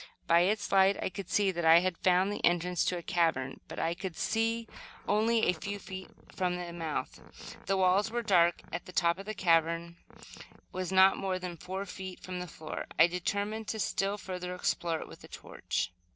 By its light I could see that I had found the entrance to a cavern, but I could see only a few feet from the mouth. The walls were dark and the top of the cavern was not more than four feet from the floor. I determined to still further explore it with a torch.